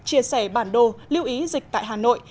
chia sẻ bản đồ lưu ý dịch tại hà nội